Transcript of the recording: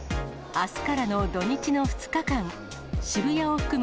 あすからの土日の２日間、渋谷を含む